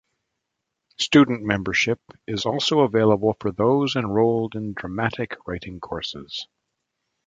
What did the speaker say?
Student membership is also available for those enrolled in dramatic writing courses.